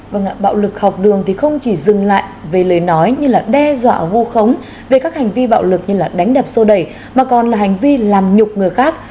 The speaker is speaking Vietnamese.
vâng ạ bạo lực học đường thì không chỉ dừng lại về lời nói như là đe dọa vu khống về các hành vi bạo lực như là đánh đập xô đẩy mà còn là hành vi làm nhục người khác